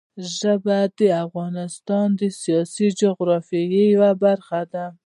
ژبې د افغانستان د سیاسي جغرافیه یوه برخه ده.